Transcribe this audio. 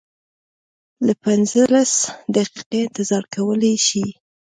که لس پنځلس دقیقې انتظار کولی شې.